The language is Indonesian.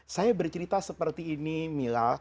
saya bercerita seperti ini mila